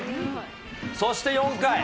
そして４回。